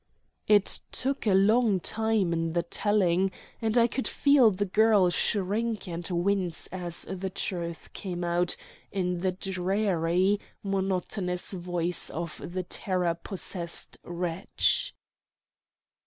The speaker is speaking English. It took a long time in the telling, and I could feel the girl shrink and wince as the truth came out in the dreary, monotonous voice of the terror possessed wretch.